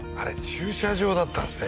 駐車場だったんですね